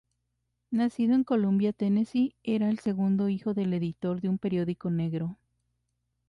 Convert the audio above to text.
Nacido en Columbia, Tennessee, era el segundo hijo del editor de un periódico negro.